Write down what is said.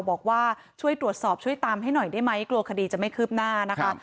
บอกว่าช่วยตรวจสอบช่วยตามให้หน่อยได้ไหมกลัวคดีจะไม่คืบหน้านะคะ